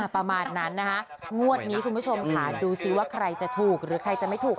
ประมาณนั้นนะคะงวดนี้คุณผู้ชมค่ะดูซิว่าใครจะถูกหรือใครจะไม่ถูก